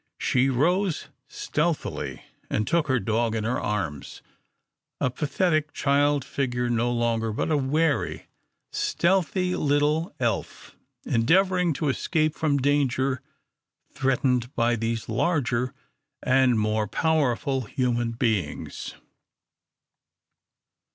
She rose stealthily, and took her dog in her arms a pathetic child figure no longer, but a wary, stealthy little elf endeavouring to escape from danger threatened by these larger and more powerful human beings.